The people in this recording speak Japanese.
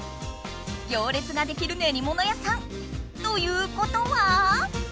行列ができるねりもの屋さん！ということは？